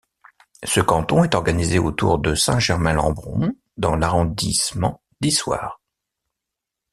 Ce canton est organisé autour de Saint-Germain-Lembron dans l'arrondissement d'Issoire.